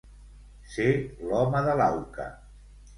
Ser l'home de l'auca.